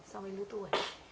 so với lứa tuổi